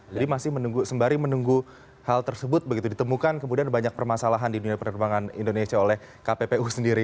jadi masih sembari menunggu hal tersebut begitu ditemukan kemudian banyak permasalahan di dunia perkembangan indonesia oleh kppu sendiri